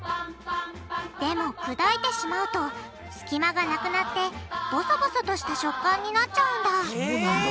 でもくだいてしまうとすきまがなくなってボソボソとした食感になっちゃうんだへぇ。